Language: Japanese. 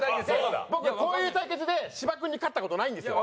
僕こういう対決で芝君に勝った事ないんですよ。